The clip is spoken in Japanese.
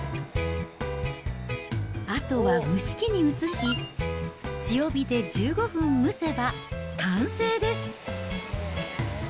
あとは蒸し器に移し、強火で１５分蒸せば、完成です。